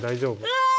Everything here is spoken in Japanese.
うわ！